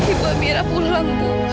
ibu amira pulang bu